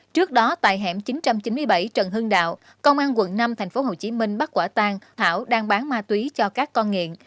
trước đó tại hẻm chín trăm chín mươi bảy trần hưng đạo công an quận năm tp hcm bắt quả tang thảo đang bán ma túy cho các con nghiện